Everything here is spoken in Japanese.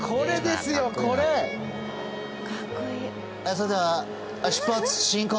それでは、出発進行！